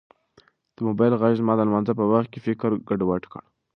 د موبایل غږ زما د لمانځه په وخت کې فکر ګډوډ کړ.